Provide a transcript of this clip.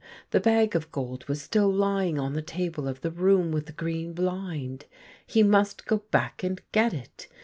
The bag of gold was still lying on the table of the room with the green blind. He must go back and get it.